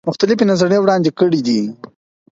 مختلفي نظریې وړاندي کړي دي.